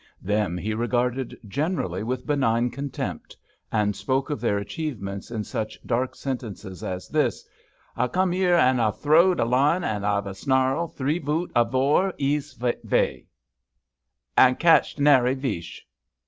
Them he regarded gener ally with benign contempt, and spoke of their achievements in such dark sentences as this :" A come 'ere, an' a throwed a line al av a snarl, three voot avore 'ees 45 HAMPSHIRE VIGNETTES vace, an' catched nara veesh !